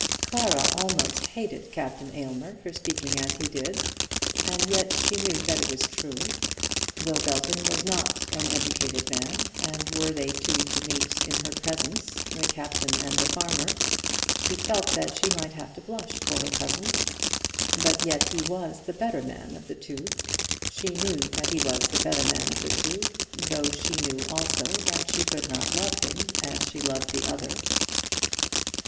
Clara almost hated Captain Aylmer for speaking as he did, and yet she knew that it was true. Will Belton was not an educated man, and were they two to meet in her presence, the captain and the farmer, she felt that she might have to blush for her cousin. But yet he was the better man of the two. She knew that he was the better man of the two, though she knew also that she could not love him as she loved the other.